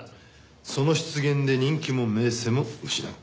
その失言で人気も名声も失った。